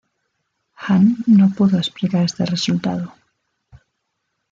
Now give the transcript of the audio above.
Hahn no pudo explicar este resultado.